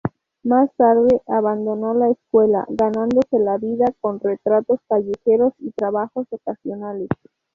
Más tarde abandonó la escuela, ganándose la vida con retratos callejeros y trabajos ocasionales.